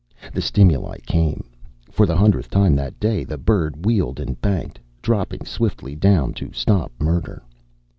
The stimuli came! For the hundredth time that day, the bird wheeled and banked, dropping swiftly down to stop murder.